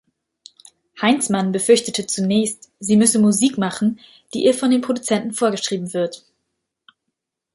Heinzmann befürchtete zunächst, sie müsse Musik machen, die ihr von den Produzenten vorgeschrieben wird.